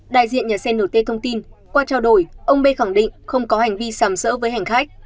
đại diện nhà xe nở t thông tin qua trao đổi ông b khẳng định không có hành vi sảm sỡ với hành khách